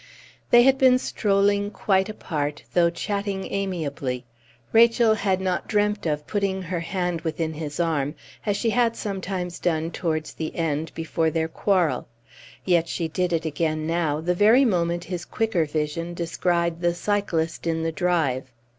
They had been strolling quite apart, though chatting amiably. Rachel had not dreamt of putting her hand within his arm, as she had sometimes done towards the end before their quarrel. Yet she did it again now, the very moment his quicker vision descried the cyclist in the drive.